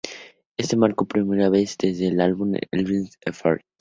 Esto marcó la primera vez desde el álbum "Elvis for Everyone!